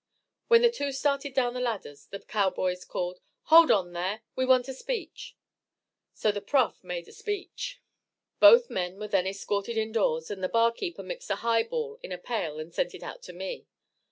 When the two started down the ladders the cowboys called: "Hold on there, we want a speech." So the Prof made a speech. Both men were then escorted indoors and the barkeeper mixed a high ball in a pail and sent it out to me.